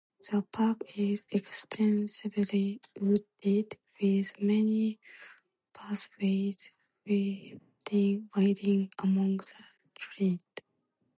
The park is extensively wooded, with many pathways winding among the trees.